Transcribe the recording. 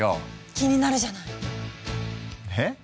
気になるじゃない！え？